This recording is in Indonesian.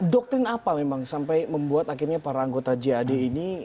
doktrin apa memang sampai membuat akhirnya para anggota jad ini